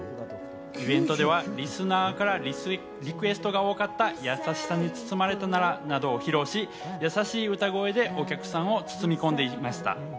イベントではリスナーからリクエストが多かった『やさしさに包まれたなら』などを披露し、やさしい歌声でお客さんを包み込んでいました。